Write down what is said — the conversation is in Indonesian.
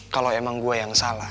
kalau emang gue yang salah